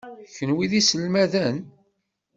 Kenwi d iselmaden?